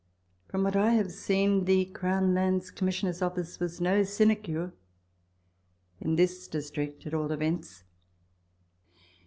From what I have seen the C. L. C's. office was no sinecure in this district at all events.